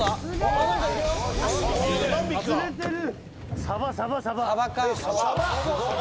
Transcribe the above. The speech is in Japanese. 釣れてる。